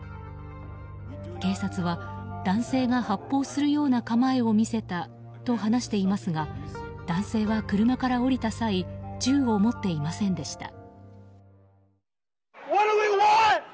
警察は男性が発砲するような構えを見せたと話していますが男性は車から降りた際銃を持っていませんでした。